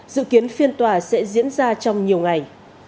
dự kiến phiên tòa sẽ diễn ra trong nhiều ngày